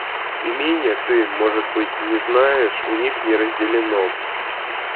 Имение, ты, может быть, не знаешь, у них не разделено.